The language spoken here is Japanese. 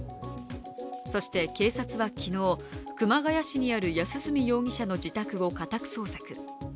そして警察は昨日、熊谷市にある安栖容疑者の自宅を家宅捜索。